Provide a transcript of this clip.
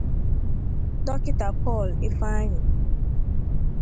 Dọkịta Paul Ifeanyị